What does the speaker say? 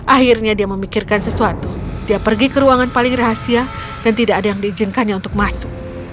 akhirnya dia memikirkan sesuatu dia pergi ke ruangan paling rahasia dan tidak ada yang diizinkannya untuk masuk